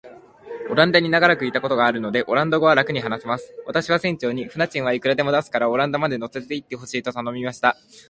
オランダに長らくいたことがあるので、オランダ語はらくに話せます。私は船長に、船賃はいくらでも出すから、オランダまで乗せて行ってほしいと頼みました。